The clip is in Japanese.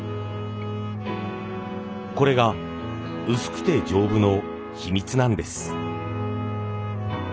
これが「薄くて丈夫」の秘密なんです。